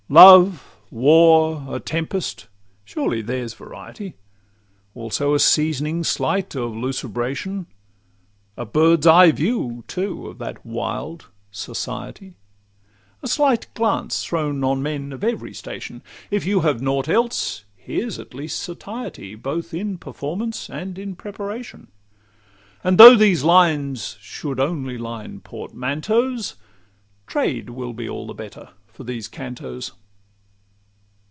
Love, war, a tempest—surely there's variety; Also a seasoning slight of lucubration; A bird's eye view, too, of that wild, Society; A slight glance thrown on men of every station. If you have nought else, here's at least satiety Both in performance and in preparation; And though these lines should only line portmanteaus, Trade will be all the better for these Cantos.